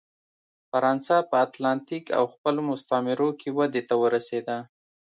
فرانسه په اتلانتیک او خپلو مستعمرو کې ودې ته ورسېده.